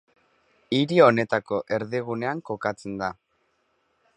Hiri honetako erdigunean kokatzen da.